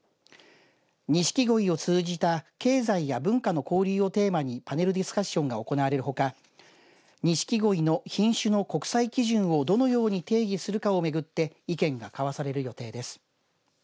ニシキゴイを通じた経済や文化の交流をテーマにパネルディスカッションが行われるほかニシキゴイの品種の国際基準をどのように定義するかをめぐって意見が交わされる予定です。